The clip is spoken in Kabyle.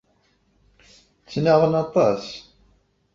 Ttnaɣen aṭas.